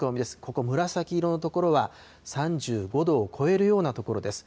ここ、紫色の所は３５度を超えるような所です。